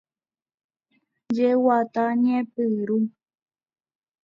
Jeguata ñepyrũ.